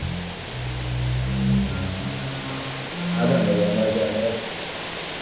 ただの山じゃあない。